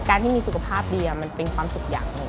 การที่มีสุขภาพดีมันเป็นความสุขอย่างหนึ่ง